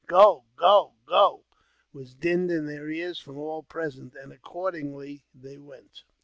" Go ! go ! go !" was dinned in their ears from : all present ; and, accordingly, they went.